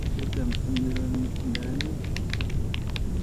kecham ingiroo nin nda ni?.